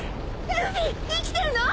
ルフィ生きてるの！？